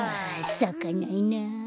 さかないな。